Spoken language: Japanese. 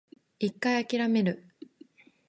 一回諦める